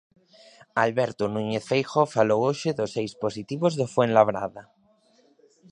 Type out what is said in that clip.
Alberto Núñez Feijóo falou hoxe dos seis positivos do Fuenlabrada.